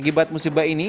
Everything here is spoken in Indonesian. akibat musibah ini